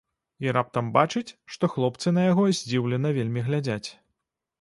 І раптам бачыць, што хлопцы на яго здзіўлена вельмі глядзяць.